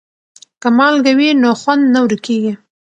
که مالګه وي نو خوند نه ورکیږي.